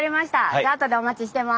じゃああとでお待ちしてます。